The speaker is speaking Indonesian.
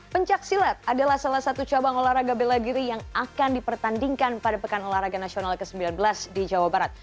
pencaksilat adalah salah satu cabang olahraga bela diri yang akan dipertandingkan pada pekan olahraga nasional ke sembilan belas di jawa barat